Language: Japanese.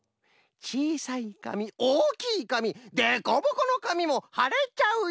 「ちいさいかみおおきいかみでこぼこのかみもはれちゃうよ」。